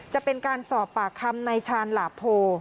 จะเป็นการสอบปากคำในชาญหลาโพ